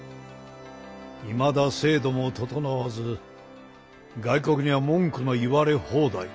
いまだ制度も整わず外国には文句の言われ放題。